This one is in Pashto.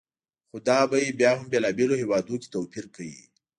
خو دا بیې بیا هم بېلابېلو هېوادونو کې توپیر کوي.